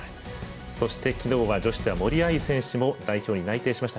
そして、昨日は女子では森秋彩選手も代表に内定しました。